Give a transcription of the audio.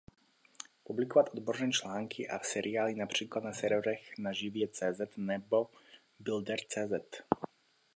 Publikoval odborné články a seriály například na serverech na Živě.cz nebo builder.cz.